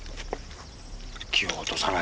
気を落とさない事だ。